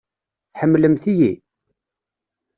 Tḥemmlemt-iyi?